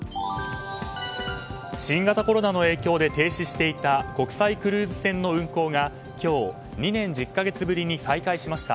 新型コロナの影響で停止していた国際クルーズ船の運航が今日、２年１０か月ぶりに再開しました。